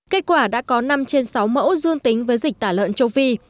kết quả đã có năm trên sáu mẫu dung tính với dịch tả luận châu phi